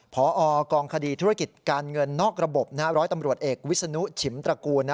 พอกองคดีธุรกิจการเงินนอกระบบร้อยตำรวจเอกวิศนุชิมตระกูล